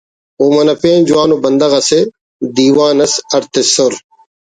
و منہ پین جوان ءُ بندغ اسہ دیوان اس اڈ تسر